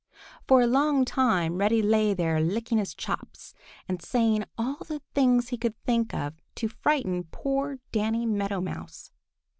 For a long time Reddy lay there licking his chops and saying all the things he could think of to frighten poor Danny Meadow Mouse.